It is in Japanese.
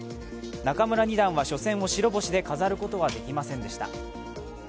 仲邑二段は初戦を白星で飾ることはできませんでした。